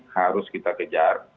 harus kita kejar